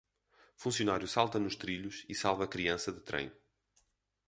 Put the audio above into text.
Funcionário salta nos trilhos e salva criança de trem